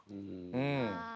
うん。